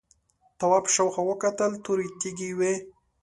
تواب شاوخوا وکتل تورې تیږې وې.